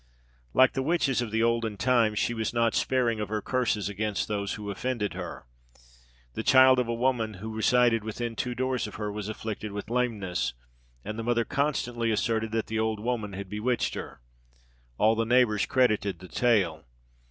Like the witches of the olden time, she was not sparing of her curses against those who offended her. The child of a woman who resided within two doors of her was afflicted with lameness, and the mother constantly asserted that the old woman had bewitched her. All the neighbours credited the tale.